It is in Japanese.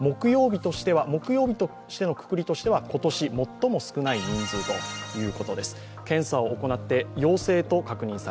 木曜日としてのくくりとしては今年最も少ない人数ということです。